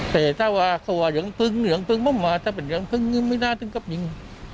แต่ถ้าว่าเขาว่าเหลืองพึงเหลืองพึงไม่มาถ้าเป็นเหลืองพึงก็ไม่น่าต้องกับหญิง